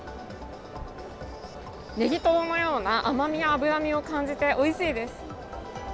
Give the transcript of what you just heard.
ネギトロのような甘みや脂身を感じて、おいしいです。